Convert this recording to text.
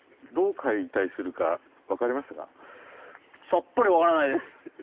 さっぱり分からないです。